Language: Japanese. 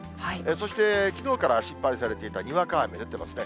そして、きのうから心配されていたにわか雨降っていますね。